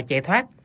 và chạy thoát